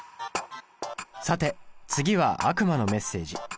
さて次は悪魔のメッセージ。